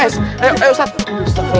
itu gatel banget nih aduh